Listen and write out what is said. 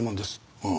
ああ。